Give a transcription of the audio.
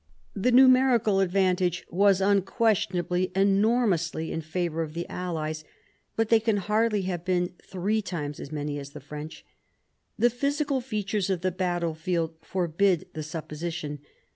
The numerical ad vantage was unquestionably enormously in favour of the allies, but they can hardly have been three times as many as the French. The physical features of the battlefield forbid the supposition.